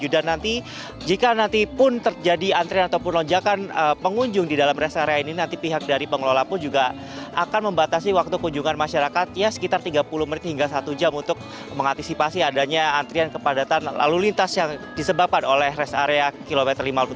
nanti jika nanti pun terjadi antrian ataupun lonjakan pengunjung di dalam rest area ini nanti pihak dari pengelola pun juga akan membatasi waktu kunjungan masyarakat ya sekitar tiga puluh menit hingga satu jam untuk mengantisipasi adanya antrian kepadatan lalu lintas yang disebabkan oleh rest area kilometer lima puluh tujuh